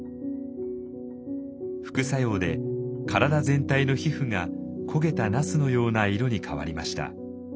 副作用で体全体の皮膚が焦げたナスのような色に変わりました。